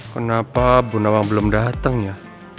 kenapa bunawang belum dateng ya